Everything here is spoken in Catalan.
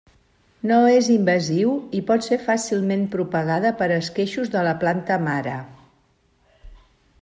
No és invasiu i pot ser fàcilment propagada per esqueixos de la planta mare.